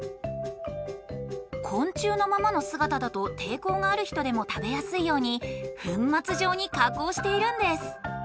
昆虫のままのすがただと抵抗がある人でも食べやすいように粉末状に加工しているんです。